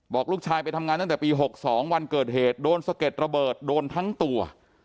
บอกลูกชายไปทำงานตั้งแต่ปี๖๒วันเกิดเหตุโดนสะเก็ดระเบิดโดนทั้งตัว